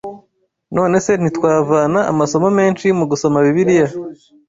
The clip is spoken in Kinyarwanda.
None se ntitwavana amasomo menshi mu gusoma Bibiliya